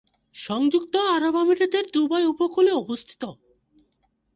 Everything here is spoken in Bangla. সংযুক্ত আরব আমিরাতের দুবাই উপকূলে অবস্থিত।